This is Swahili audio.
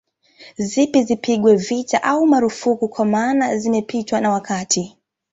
Zipi zipigwe vita au marufuku kwa maana zimepitwa na wakati